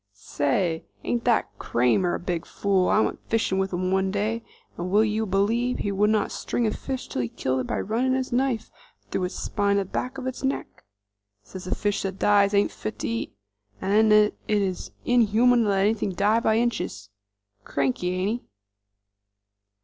"Say, ain't that Cramer a big fool? I went fishin' with him one day and will you b'lieve he would not string a fish till he'd killed it by running his knife through its spine at the back of its neck? Says a fish that dies ain't fit to eat, 'nd then it is inhuman to let anything die by inches. Cranky, ain't he?"